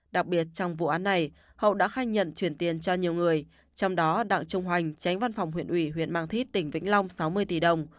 đặc biệt trong vụ án này hậu đã khai nhận chuyển tiền cho nhiều người trong đó đặng trung hoành tránh văn phòng huyện ủy huyện mang thít tỉnh vĩnh long sáu mươi tỷ đồng